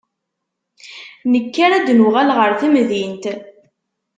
Nekker ad d-nuɣal ɣer temdint.